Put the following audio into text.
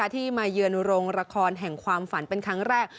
ที่มาเยือนโรงละครแห่งความฝันเป็นครั้งแรก